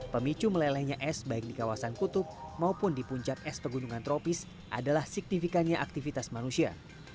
pemicu melelehnya es baik di kawasan kutub maupun di puncak es pegunungan tropis adalah signifikannya aktivitas manusia